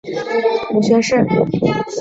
母宣氏。